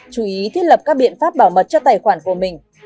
chú ý thiết lập các biện pháp bảo mật cho tài khoản của mình